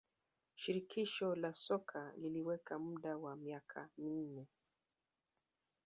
shirikisho la soka liliweka muda wa miaka minne